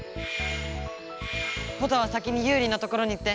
ポタは先にユウリのところに行って。